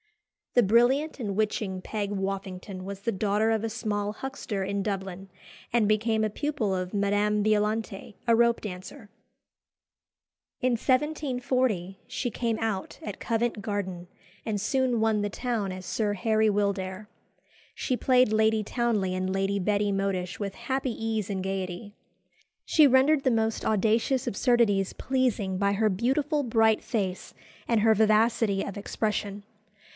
The brilliant and witching Peg Woffington was the daughter of a small huckster in Dublin, and became a pupil of Madame Violante, a rope dancer. In 1740 she came out at Covent Garden, and soon won the town as Sir Harry Wildair. She played Lady Townley and Lady Betty Modish with "happy ease and gaiety." She rendered the most audacious absurdities pleasing by her beautiful bright face and her vivacity of expression.